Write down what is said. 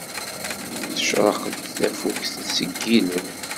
Tecreq-d tafukt seg yilel.